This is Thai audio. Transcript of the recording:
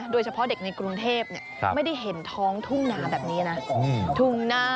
โดยเฉพาะเด็กในกรุงเทพไม่ได้เห็นท้องทุ่งหนาแบบนี้นะ